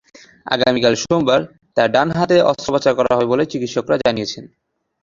আগামীকাল সোমবার তাঁর ডান হাতে অস্ত্রোপচার করা হবে বলে চিকিৎসকেরা জানিয়েছেন।